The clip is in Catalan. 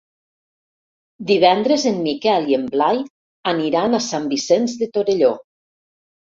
Divendres en Miquel i en Blai aniran a Sant Vicenç de Torelló.